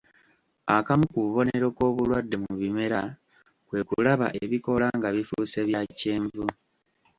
Akamu ku bubonero k'obulwadde mu bimera kwekulaba ebikoola nga bifuuse bya kyenvu.